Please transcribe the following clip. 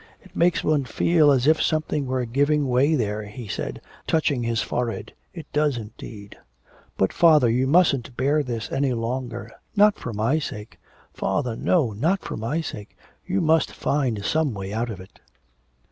It makes one feel as if something was giving way there,' he said, touching his forehead, 'it does indeed.' 'But, father, you mustn't bear this any longer, not for my sake, father, no, not for my sake; you must find some way out of it.'